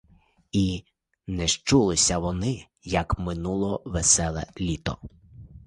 І незчулися вони, як минуло веселе літо.